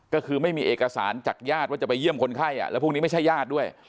ก็คือไม่มีเอกสารจากญาติว่าจะไปเยี่ยมคนไข้แล้วพวกนี้ไม่ใช่ญาติด้วย